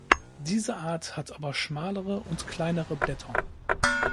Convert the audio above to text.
Diese Art hat aber schmalere und kleinere Blätter.